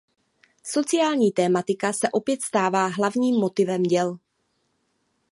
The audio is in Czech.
Sociální tematika se opět stává hlavním motivem děl.